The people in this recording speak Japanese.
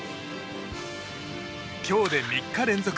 今日で３日連続。